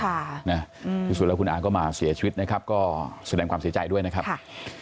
นะที่สุดแล้วคุณอาก็มาเสียชีวิตนะครับก็แสดงความเสียใจด้วยนะครับค่ะ